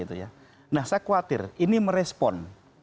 saya khawatir ini merespon